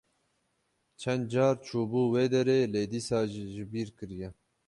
Çend car çûbû wê derê, lê dîsa ji bîr kiriye.